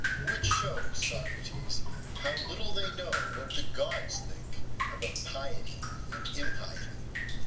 Which shows, Socrates, how little they know what the gods think about piety and impiety.